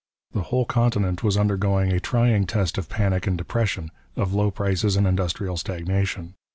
The whole continent was undergoing a trying test of panic and depression, of low prices and industrial stagnation.